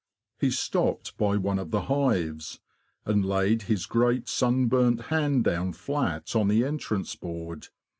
He stopped by one of the hives, and laid his great sunburnt hand down flat on the entrance board.